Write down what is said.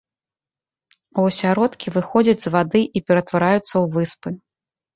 У асяродкі выходзяць з вады і ператвараюцца ў выспы.